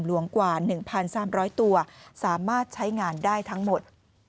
หลวงกว่า๑๓๐๐ตัวสามารถใช้งานได้ทั้งหมด